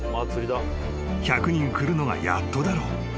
［１００人来るのがやっとだろう］